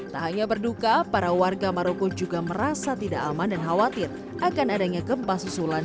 tak hanya berduka para warga maroko juga merasa tidak aman dan khawatir akan adanya gempa susulan